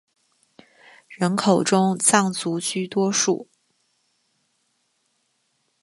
人口中藏族居多数。